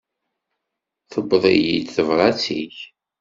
Tewweḍ-iyi-d tebṛat-ik.